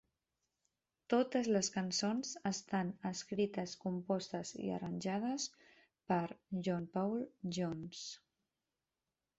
Totes les cançons estan escrites, compostes i arranjades per John Paul Jones.